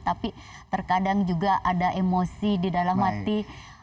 tapi terkadang juga ada emosi di dalam hati